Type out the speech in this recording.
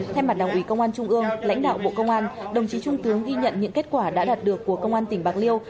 thay mặt đảng ủy công an trung ương lãnh đạo bộ công an đồng chí trung tướng ghi nhận những kết quả đã đạt được của công an tỉnh bạc liêu